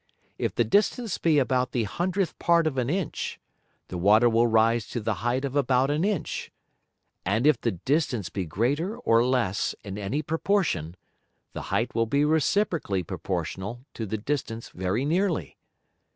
If the distance be about the hundredth part of an Inch, the Water will rise to the height of about an Inch; and if the distance be greater or less in any Proportion, the height will be reciprocally proportional to the distance very nearly.